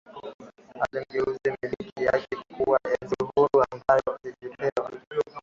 aligeuza milki yake kuwa enzi huru ambayo ilipewa